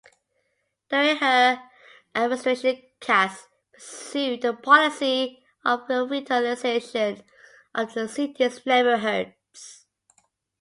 During her administration, Katz pursued a policy of revitalization of the city's neighborhoods.